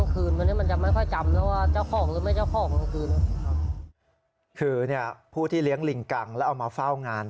คือผู้ที่เลี้ยงลิงกังแล้วเอามาเฝ้างาน